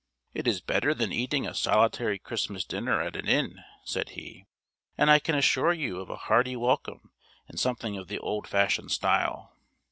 "It is better than eating a solitary Christmas dinner at an inn," said he; "and I can assure you of a hearty welcome in something of the old fashion style."